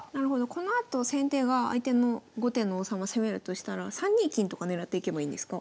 このあと先手が相手の後手の王様攻めるとしたら３二金とか狙っていけばいいんですか？